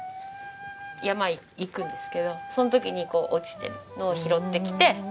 山行くんですけどその時に落ちてるのを拾ってきて。